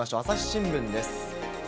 朝日新聞です。